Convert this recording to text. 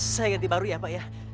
saya ganti baru ya pak ya